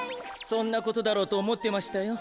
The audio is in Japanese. そんなことだろうとおもってましたよ。